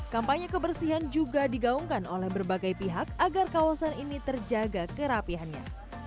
kampanye kebersihan juga digaungkan oleh berbagai pihak agar kawasan ini terjaga kerapihannya